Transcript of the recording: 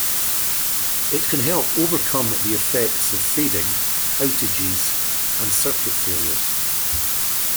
It can help overcome the effects of fading, outages, and circuit failures.